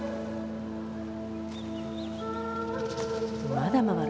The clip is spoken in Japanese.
まだ回る。